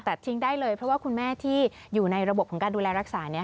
ทิ้งได้เลยเพราะว่าคุณแม่ที่อยู่ในระบบของการดูแลรักษาเนี่ย